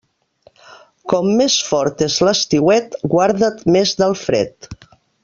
Com més fort és l'estiuet, guarda't més del fred.